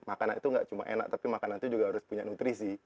makanan itu nggak cuma enak tapi makanan itu juga harus punya nutrisi